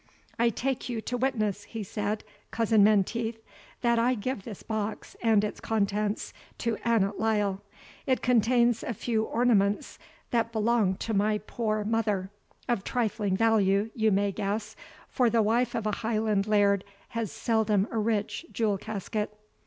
"I take you to witness," he said, "cousin Menteith, that I give this box and its contents to Annot Lyle. It contains a few ornaments that belonged to my poor mother of trifling value, you may guess, for the wife of a Highland laird has seldom a rich jewel casket."